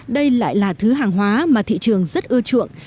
đây lại là thứ hàng hóa mà thị trường rất ưa chuộng